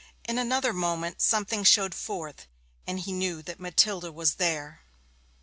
In another moment something showed forth, and he knew that Matilda was there.